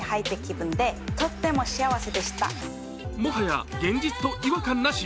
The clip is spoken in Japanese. もはや現実と違和感なし。